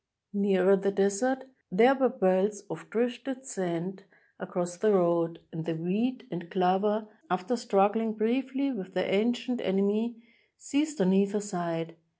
Nearer the desert, there were belts of drifted sand 6i EGYPT across the road, and the wheat and clover, after strug gling briefly with their ancient enemy, ceased on either side.